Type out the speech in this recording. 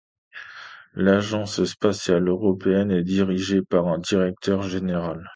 L'Agence spatiale européenne est dirigée par un Directeur général.